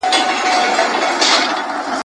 د مقالي ترتیب باید د پوهنتون له اصولو سره سم وي.